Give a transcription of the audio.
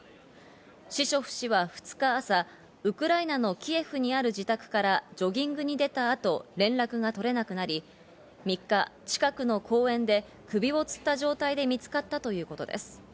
シショフ氏は２日朝、ウクライナのキエフにある自宅からジョギングに出た後、連絡が取れなくなり、３日、近くの公園で首をつった状態で見つかったということです。